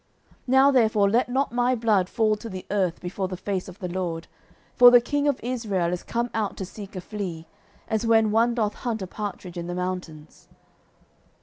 09:026:020 Now therefore, let not my blood fall to the earth before the face of the LORD: for the king of Israel is come out to seek a flea, as when one doth hunt a partridge in the mountains.